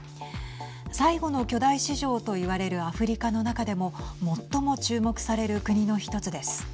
最後の巨大市場と言われるアフリカの中でも最も注目される国の１つです。